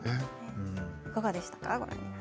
いかがでしたか。